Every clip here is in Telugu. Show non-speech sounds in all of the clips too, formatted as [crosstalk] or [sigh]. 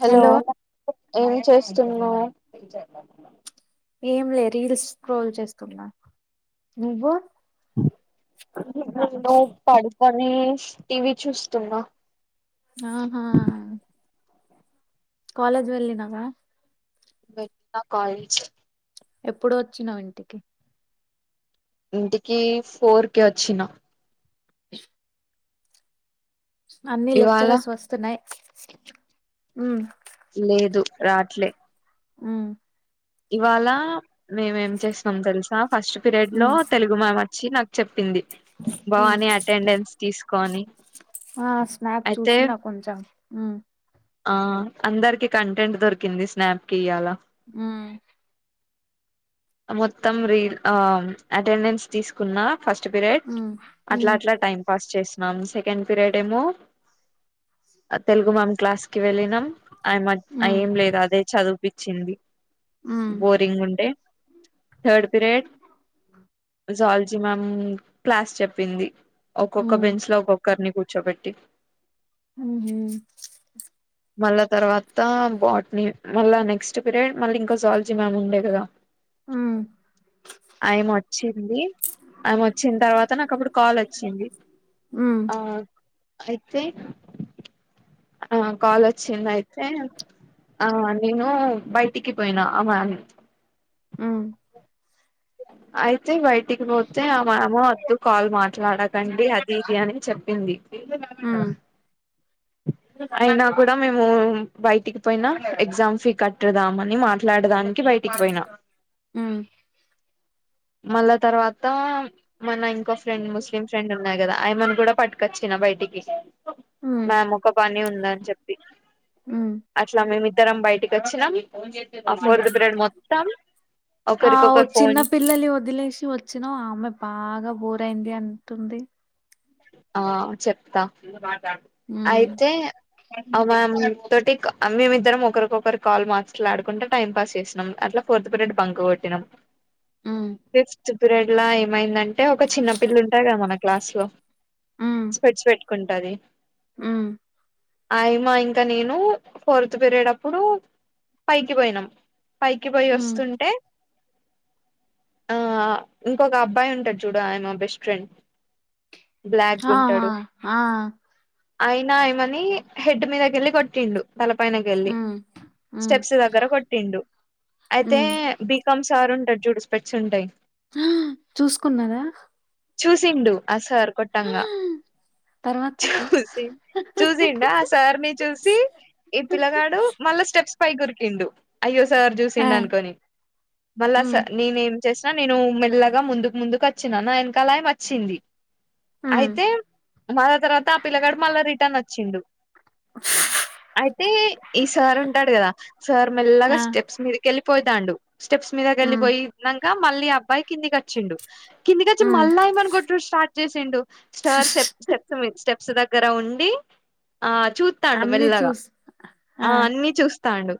హలో ఏం చేస్తున్నావ్ ఏం లే రీల్స్ స్క్రోల్ చేస్తున్నా నువ్వు నేను పడుకొని టీవీ చూస్తున్నా ఆహ్. కాలేజ్ వెళ్ళినావా. వెళ్లిన కాలేజ్. ఎప్పుడు వచ్చినావ్ ఇంటికి ఇంటికి ఫోర్ కి వచ్చిన అన్ని ఇవాళ లెక్చరర్స్ వస్తున్నాయి ఉమ్ లేదు రాట్లే ఉమ్ ఇవాళ మేమేం చేసన్నాం తెలుసా ఫస్ట్ పీరియడ్ లో ఉమ్ తెలుగు మ్యామ్ అ చ్చి నాక్ చెప్పింది ఉమ్ భవాని అటెండెన్స్ తీసుకో అని ఆ స్నాప్ అయితే చూసినా కొంచెం ఉమ్ ఆ అందరికి కంటెంట్ దొరికింది స్నాప్కి ఇయ్యాల ఊమ్ మొత్తం రీ ఆ అటెండెన్స్ తీసుకున్నా ఫస్ట్ పీరియడ్ అట్లా ఉమ్ అట్లా టైం పాస్ చేస్ మ్యామ్ సెకండ్ పీరియడ్ ఏమో తెలుగు మ్యామ్ క్లాస్ కి వెళ్ళినాం ఆయ మ ఉమ్ ఏం లేదు అదే చదువుపించింది ఉమ్ ఉమ్ బోరింగ్ గుండే third period zoology ma'am class చెప్పింది ఒక్కొక్క ఉమ్ బెంచ్ లో ఒక్కొక్కరిని కూర్చోబెట్టి ఊ హు మళ్ళా తర్వాత బాట్ని మళ్ళా నెక్స్ట్ పీరియడ్ మళ్ళీ ఇంకో జాలజీ మ్యామ్ ఉండే కదా ఉమ్ ఆయమ వచ్చింది ఆయమ వచ్చిన తర్వాత నాకు అప్పుడు కాల్ అచ్చింది ఉమ్ ఆ అయితే ఆ కాల్ వచ్చింది అయితే ఆ నేను బయటికి పోయినా అ మ్యామ్ ఉమ్ అయితే బయటికి పోతె ఆమె ఏమో కాల్ మాట్లాడకండి అది ఇది అని చెప్పింది ఉమ్ అయినా కూడా మేము బయటికి పోయినా ఎగ్జామ్ ఫీ కట్టుదాంని మాట్లాడదనికి కి బయటికి పోయినా ఉమ్ మళ్ళా తర్వాత మన ఇంకో ఫ్రెండ్ ముస్లిం ఫ్రెండ్ ఉన్నాయి కదా ఆయమను కూడా పట్టుకొచ్చిన బయటికి ఉమ్ మ్యాము ఒక పని ఉంద అని చెప్పి ఉమ్ అట్లా మేము ఇద్దరం బయటకి వచ్చినాం ఆ ఉమ్ ఫోర్త్ పీరియడ్ మొత్తం ఆ ఒకరికొకరు చిన్న ఫోన్ పిల్లల్ని వదిలేసి వచ్చినా ఆమె బాగా బోరయింది అంటుంది ఆ చెప్తా ఉమ్ అయితే ఆ మ్యామ్ తోటి మేమిద్దరం ఒకరికొకరు కాల్ మాట్లాడుకుంట టైం పాస్ చేసినాం అట్లా ఫోర్త్ పీరియడ్ బంకు కొట్టినం ఉమ్ ఫిఫ్త్ పీరియడ్ లా ఏమైందంటే ఒక చిన్న పిల్ల ఉంటాయి కదా మన క్లాస్ లో స్పెడ్స్ పెట్టుకుంటది ఉమ్ అయమా ఇంకా నేను ఫోర్త్ పేరియడ్డప్పుడు పైకి పోయినాం పైకి పోయి హ్మ్. వస్తుంటే ఆ ఇంకొక అబ్బాయి ఉంటడు చూడు ఆయమా బెస్ట్ ఫ్రెండ్ ఆ హ ఆ అయినా ఏయమని హెడ్ మీదకి వెళ్ళి కొట్టిండు తల పైనకి వెళ్ళి హ్మ్. హ్మ్. స్టెప్స్ దగ్గర కొట్టిండు అయితే హ్మ్. బికామ్ సార్ ఉంటాడు చూడు స్పెక్ట్స్ ఉంటాయి ఆహ్ చూసుకున్నదా చూసిండు ఆ సార్ కొట్టంగా తర్వాత? చూసి చూసిండా ఆ సార్ ని చూసి ఈ పిలగాడు మళ్ళ స్టెప్స్ పై కురికిండు అయ్యో సార్ ఆ! చుసిండు అనుకోని మళ్ళాస హ్మ్. నేన్ ఏం చేస్ న్ నేను మెల్లగా ముందుక్ ముందుక్ వోచ్చిన నా వెనకాల ఆమె అచ్చింది హ్మ్. అయితే మళ్ళ తర్వాత ఆ పిల్లగాడ్ మళ్ళ రిటర్న్ వోచ్చిండు అయితే ఈ సార్ ఉంటాడ్ గదా సార్ మెల్లగా ఆ! స్టెప్స్ మీదకెళ్ళి పోయితాండూ స్టెప్స్ హ్మ్. మీదకెళ్లిపోయినంక మళ్ళీ అబ్బాయి కిందికి వోచ్చిండు కిందికి వోచ్చి హ్మ్. మళ్ళయమ్మను కొట్టుడు స్టార్ట్ చేసిండు స్టర్ సెవ్ స్టెప్స్ మీద స్టెప్ దగ్గర ఉండి ఆ చూతండు అన్నీ మెల్లగా చూసి ఆ అన్ని చూస్త తండు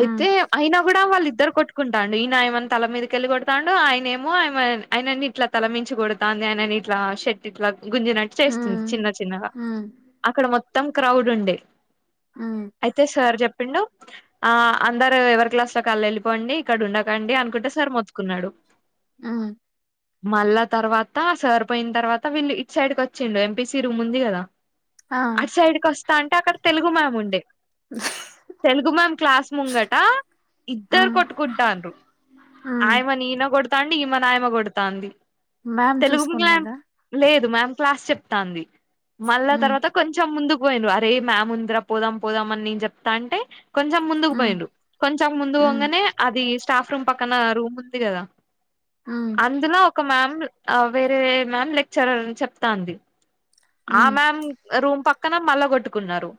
హ్మ్. అయినా గుడా వాల్ ఇద్దరు కొట్టుకుంటాండు ఇనా అయిమెని తల మీదకెళ్ళి కొడతాండు ఆయననేమో ఆయనని ఇట్లా తలమించి కొడతాంది అయినని ఇట్లా షట్ ఇట్లా గుంజినట్టు చేస్తుంది హ్మ్. చిన్న చిన్నగా హ్మ్. అక్కడ మొత్తం మొత్తం క్రౌడ్ ఉండే హ్మ్. అయితే సార్ చేప్ చెప్పిండు ఆ అందరు ఎవర్ క్లాస్లకి కళ్ళ వెళ్ళిపోండి ఇక్కడ ఉండకండి అనుకుంట సార్ మొత్తుకున్నాడు మ్ మళ్ళా తర్వాత సార్ పోయిన్ తర్వాత వీళ్ళు ఇట్ సైడ్కి వచ్చిండు ఎంపిసి రూమ్ ఉంది గదా ఆ! అటు సైడ్ కి వస్తా అంటే అక్కడ తెలుగు మ్యామ్ ఉండే తెలుగు మ్యామ్ క్లాస్ ముంగట ఇద్దరు హ్మ్. కొట్టుకుంటాంరు హ్మ్. ఆయమని ఈయన కొడతాండు ఈమని ఆయమ కొడ్తాంది మ్యామ్ చూసుకున్నదా లేదు మ్యామ్ క్లాస్ చెప్తాంది మళ్ళ హ్మ్. తర్వాత కొంచెం ముందుక్ అరే మ్యామ్ ఉంద్ర పోదాం పోదాం అని నేను చేప్తంటే కొంచెం ముందుకు హ్మ్. పోయిండు కొంచెం హ్మ్. ముందువొంగానే అది టఫ్ రూమ్ పక్కన రూమ్ ఉంది గదా హ్మ్. అందులో ఒక మమ్ ఆ వేరే మ్యామ్ లెక్చరర్ చెప్తాంది ఆ హ్మ్. మ్యామ్ రూమ్ పక్ పక్కన మల్ల కొట్టుకున్నారు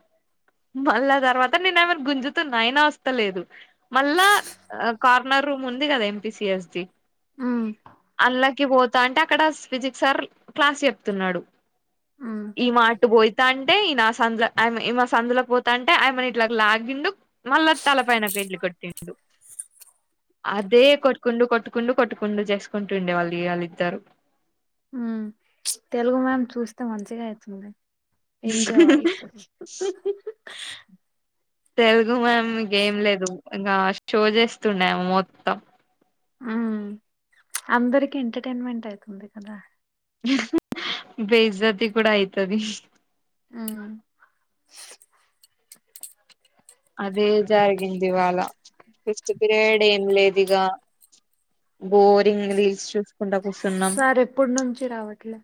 మళ్ల తర్వాత నేను ఆమెని గుంజుతున అయినా ఒస్తలేదు మళ్ళా కార్నర్ రూమ్ ఉంది కదా ఎంపిసిఎస్ ది హ్మ్. అల వొతంటే అక్కడ ఫిజిక్స్ సార్ క్లాస్ చెప్తున్నాడు హ్మ్. ఏమేటు పోతలంటే ఏయినా ఆ సందుల ఆ అయిమె ఆమె సందులకు పోతంటే ఆయమె ఇట్లా లాగిండు మళ్ళా తల పైనకెలికోటిండు అదే కొట్టుకుండు కొట్టుకుండు కొట్టుకుండు చేసుకుంటుండే వాళ్ళు ఇయాల ఇద్దరు మ్ తెలుగు మ్యామ్ చూస్తే మంచిగా అయితుండే ఎంజాయ్ తెలుగు మ్యామ్ ఇంకేం లేదు ఇంగా షో చేస్తుండే ఆమె మొత్తం మ్ అందరికి ఎంటర్టైన్మెంట్ అయితుంది కదా బెజతి కూడా అయితది మ్ అదే జరిగిందివాళ ఫిఫ్త్ పీరియడ్ ఏం లేద్ ఇగా బోరింగ్ రీల్స్ చూస్ సార్ ఎప్పుడు నుంచి రావట్లే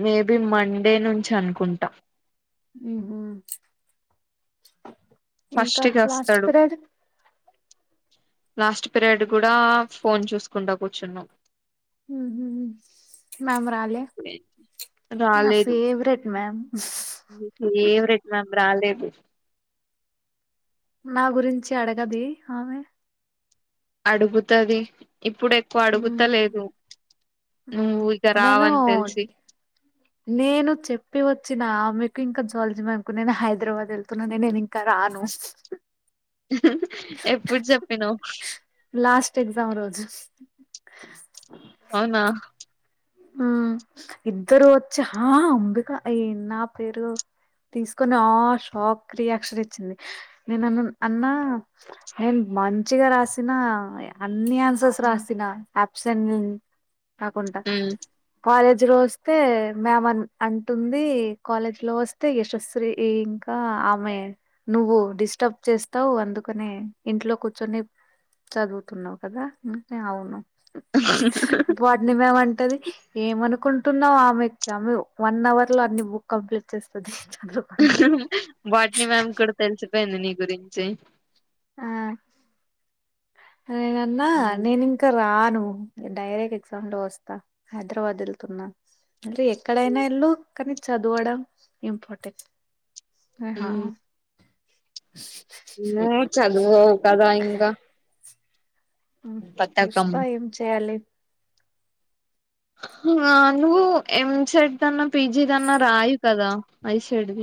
మేబి మండే నుంచి అనుకుంటా మ్ హ్మ్ ఇంకా ఫస్ట్ కి లాస్ట్ వస్తాడు పిరియడ్ లాస్ట్ పీరియడ్ గుడా ఫోన్ చూస్కుంటా కూచున్నావ్ మ్ హ్మ్ మ్యామ్ రాలే నా ఫేవరెట్ మ్యామ్ మీ ఫేవరెట్ మ్యామ్ రాలేదు మా గురించి అడగదె ఆమె. అడుగుతది. ఇప్పుడు ఎక్కువ ఉమ్ అడుగుతలేదు ఉమ్ నువ్వు ఇక నేను రావని తెలిసి. నేను చెప్పి వచ్చిన ఆమెకు ఇంకా జోల్జీ మేమ్ కూడా నేను హైదరాబాద్ వెళ్తున్న నేను ఇంకా రాన్ అవును ఎప్పుడు చెప్పినవ్ లాస్ట్ ఎగ్జామ్ రోజు ఆహ్. అవునా ఇద్దరు ఒచ్చి ఆహ్ అంబికా అయి నా పేరు. తీస్కొని ఆ షాక్ రియాక్షన్ ఇచ్చింది నేన్ అన్నన్ అన్నా హెల్ప్. మంచిగా రాసిన. అన్ని ఆన్సర్స్ రాసిన అప్సెంట్ నిన్ కాకుండ. కాలేజ్ లో ఒస్తే మేమ్ అన్ అంటుంది కాలేజ్ లో ఒస్తే యశస్శ్రీ ఇ. ఇంకా ఆమె నువ్వు డిస్టర్బ్ చేస్తావు అందుకనే ఇంట్లో కూర్చొని. చదువుతున్నావు కదా. మేమ్ అనుకుంటున్నాం ఆమెకి ఆమె వన్ అవర్ లో అన్ని బుక్ కంప్లీట్ చేస్తది. చదువుకొని బొట్నీ మేడం కి కూడా తెల్సిపోయింది నీ గురించి. ఆహ్ నేనన్నా నేను ఇంకా రాను. ఉమ్ డైరెక్ట్ ఎగ్జామ్ లో ఒస్తా హైదరాబాద్ ఏళ్తున్నా మల్లీ ఎక్కడైనా ఏళ్ళు క. ఇది చదువడం ఇంపోర్టెంట్ ఆ మ్ ఆహ్. నువ్వు చద్వావు కదా ఇంకా. ఉమ్ చూస్తా ఏం చేయాలే. ఆహ్ నువ్ ఎంసెట్ దన్న పిజి దన్న రాయు. కదా ఐషెడ్ద్.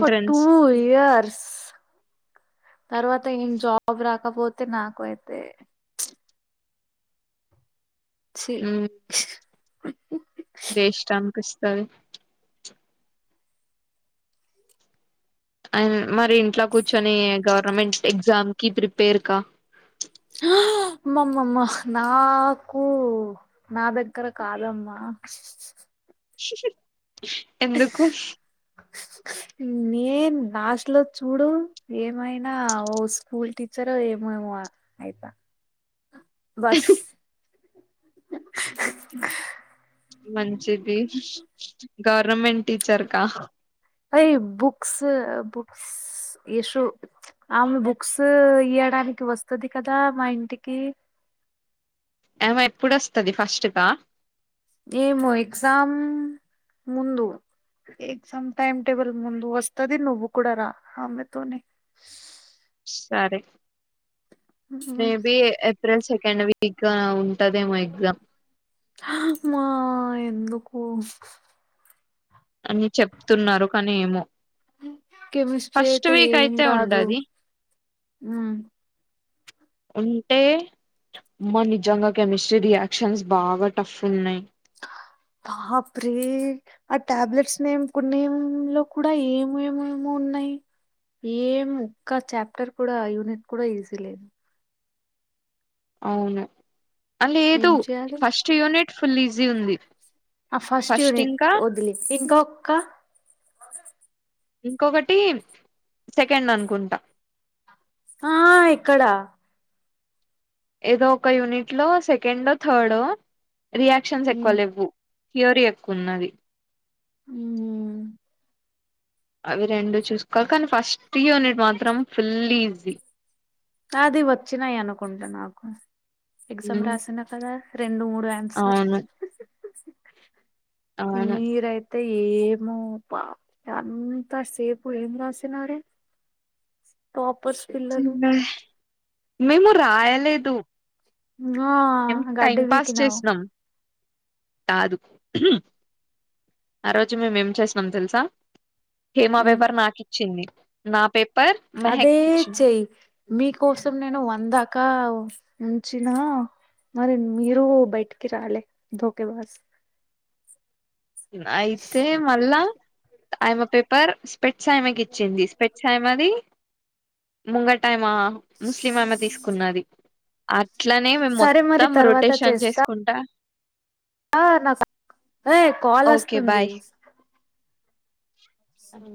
త్ టూ ఇయర్స్ తర్వాత ఏం జాబ్ రా. కాక్పోతే నాకు అయితే. ఛీ మ్ స్. వేస్ట్ అనిపిస్తాది. అండ్ మరి ఇంట్లో కూర్చొని గౌర్నమెంట్స్ ఎగ్జామ్ కి ప్రిపేర్క. ఆహ్. మ్మమ్మమ్మా నాకు నా దగ్గర కాదమ్మా. ఎందుకు. నేనే. నేన్ లాస్ట్ లో చూడు ఏమైనా ఓ స్కూల్ టీచర్ ఏమేమో అయిత. బస్. మంచిది గౌర్నమెంట్ టీచర్ కా. అయి బుక్స్ బుక్స్ ఇషు ఆమె బుక్స్ ఇయడానికి. ఇడికి వస్తది కదా మా ఇంటికి. ఆమె ఎప్పుడొస్తాది ఫస్ట్గా. ఏమో ఎక్సమ్ ముందు. ఎగ్జామ్ టైమ్ టేబుల్ ముందు వస్తది నువ్వు కూడా రా ఆమె తోని. సారే మే బి ఏప్రేల్ సే. [unintelligible] ఉంటదేమో ఎగ్జామ్. ఆహ్ మా ఎందుకో. అని చెప్తున్నారు కానీ ఏమో. కెమిస్ట్రీ ఫస్ట్ అయితే వీక్ ఏం అయితే రాదు ఉండది ఉమ్. ఉంటే మా నిజంగా కెమిస్ట్రీ రియాక్షన్స్ బాగా టఫ్ ఉన్నాయి. బాప్రే ఆ టాబ్లెట్స్ నేమ్ కో నేం లో కూడా ఏమేమేమో. ఉన్నాయి ఏం ఒక చాప్టర్ కూడా యూనిట్ కూడా ఈజీ లేదు అవును అ లేదు ఏం చేయాలి ఫస్ట్ యూనిట్ ఫుల్ ఈజీ ఉంది ఆ ఫస్ట్ యూనిట్ ఒదిలి ఇంకా ఒక్క ఇంకొకటి సెకండ్ అనుకుంటా. ఆహ్ ఎక్కడ. ఏదో ఒక యూనిట్ లో సెకండో థర్డో రియాక్షన్స్ ఎక్కువ ఉమ్ లేవ్వు. థియోరీ ఎక్కువన్నది ఉమ్ అవి రెండు చూసుకోవాల్ కానీ ఫస్ట్ యూనిట్ మాత్రం ఫుల్ ఈజీ ఆది వచ్చినాయి అనుకుంట నాకు ఎగ్జామ్ రాసిన కదా రెండు మూడు బ్రాండ్ సర్ అవును అవును మీరు అయితే ఏమో పా అంతా సేపు ఏం రాసినారే టాప్పర్స్ పిల్లలు మేము రాయలేదు ఆ మేం టైం గడ్డి పాస్ పీకినావు చేసినాం కాదు ఆ రోజు మేమ్ ఏం చేసినం తెలుసా హేమా ఉమ్ పేపర్ నాకు ఇచ్చింది నా పేపర్ అదే మెహక్ ఇచ్చింది చెయ్ మీకోసం నేను వందాకా ఉంచిన మరి మీరే బయటికి రాలే అందుకే ఒకే బాస్ అయితే మళ్ళా ఆమే పేపర్ స్పేట్స్ ఆమెకి ఇచ్చింది స్పేట్స్ ఆమెది ముంగటామ ముస్లిం ఆమె తీసుకున్నది ఆ అట్లనే మేము సరే మరి మొత్తం రొటేషన్షాట్ చేసుకుంటా ఆ నాక్ ఏ కాల్ ఓకే వస్తుంది బాయ్ సా